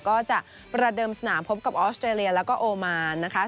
ก็จะประเดิมสนามพบกับออสเตรเลียแล้วก็โอมานนะคะ